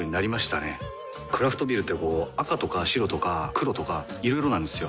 クラフトビールってこう赤とか白とか黒とかいろいろなんですよ。